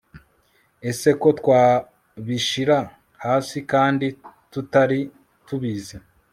Ese ko twabishira hasi kandi tutari tubizi